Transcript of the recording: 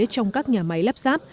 trong các nhà máy lắp ráp